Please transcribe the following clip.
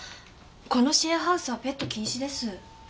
このシェアハウスはペット禁止です。